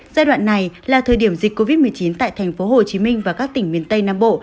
giai đoạn này là thời điểm dịch covid một mươi chín tại tp hcm và các tỉnh miền tây nam bộ